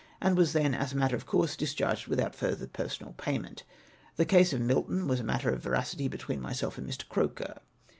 and was then, as a matter of course, discharged mthout further personal payment. The case of Mlton was n. matter of veracity between myself and Mr. Croker.